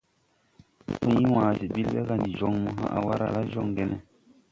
Puy wãã ɓil ɓɛ ga: « Ndi joŋ mo hãʼ waara la joŋge ne?